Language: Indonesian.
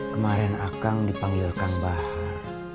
kemarin akang dipanggil kang bahar